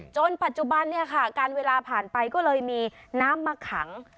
จนปัจจุบันเนี่ยค่ะการเวลาผ่านไปก็เลยมีน้ำมาขัง